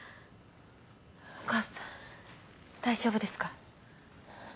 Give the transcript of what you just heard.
お母さん大丈夫ですか？